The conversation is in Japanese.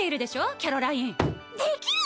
キャロラインできるもん！